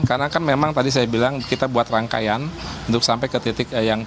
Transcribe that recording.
karena kan memang tadi saya bilang kita buat rangkaian untuk sampai ke titik yang